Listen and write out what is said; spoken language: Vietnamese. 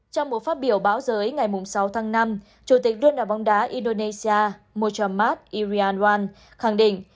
trong một phát biểu báo giới ngày sáu tháng năm chủ tịch đoàn đoàn bóng đá indonesia mochamat irianwan khẳng định